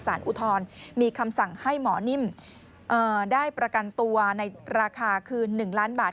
อุทธรณ์มีคำสั่งให้หมอนิ่มได้ประกันตัวในราคาคืน๑ล้านบาท